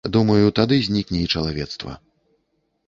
Думаю, тады знікне і чалавецтва.